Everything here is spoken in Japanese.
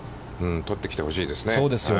取ってきてほしいですね。